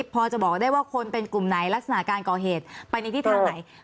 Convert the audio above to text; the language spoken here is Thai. พอจะบอกได้ว่าคนเป็นกลุ่มไหนลักษณะการก่อเหตุไปในทิศทางไหน